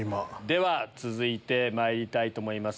では続いてまいりたいと思います。